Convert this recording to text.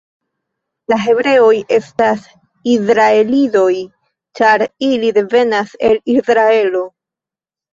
La hebreoj estas Izraelidoj, ĉar ili devenas de Izraelo.